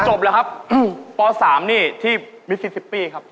จบแล้วครับป๓นี่ที่มิซิซิปปี้ครับ